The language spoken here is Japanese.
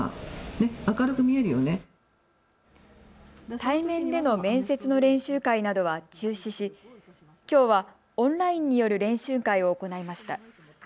対面での面接の練習会などは中止し、きょうはオンラインによる練習会を行いました。